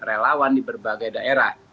relawan di berbagai daerah